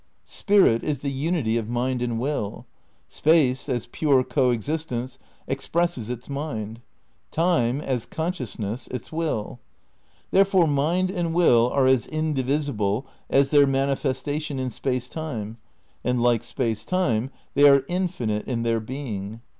Spirit is the unity of Mind and Will. Space, as pure co existence, expresses its Mind; Time, as conscious ness, its Will. Therefore Mind and Will are as in divisible as their manifestation in Space Time, and like Space Time, they are infinite in their being.